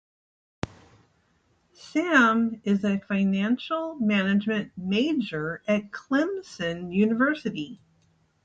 Sam is a Financial Management major at Clemson University.